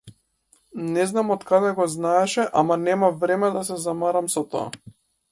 Не знам од каде го знаеше ама немав време да се замарам со тоа.